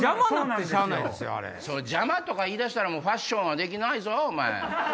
邪魔とか言いだしたらファッションはできないぞ。